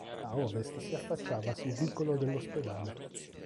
A ovest si affacciava su vicolo dell'Ospedale.